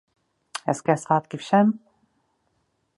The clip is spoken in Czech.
Hezké svátky všem.